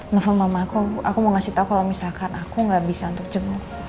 nelfon mama aku aku mau ngasih tau kalau misalkan aku nggak bisa untuk jemput